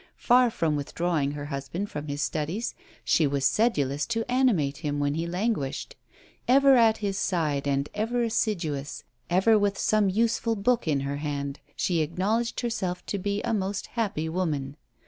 Far from withdrawing her husband from his studies, she was sedulous to animate him when he languished. Ever at his side, and ever assiduous; ever with some useful book in her hand, she acknowledged herself to be a most happy woman.